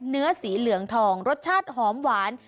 เนื้อสีเหลืองทองรสชาติหอมหวาน